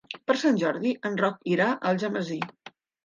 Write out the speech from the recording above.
Per Sant Jordi en Roc irà a Algemesí.